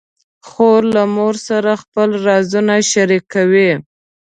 خور له مور سره خپل رازونه شریکوي.